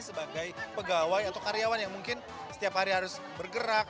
sebagai pegawai atau karyawan yang mungkin setiap hari harus bergerak